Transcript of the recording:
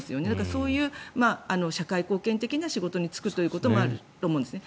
そういう社会貢献的な仕事に就くということもあると思うんですね。